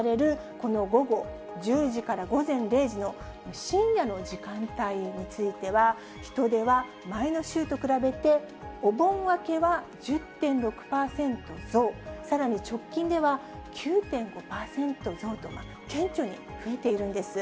この午後１０時から午前０時の深夜の時間帯については、人出は前の週と比べて、お盆明けは１０．６％増、さらに直近では９．５％増と、顕著に増えているんです。